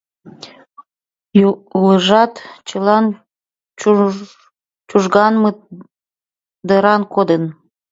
Улыжат чыла Чужганмыт деран кодын.